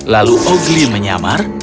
lalu ogli menyamar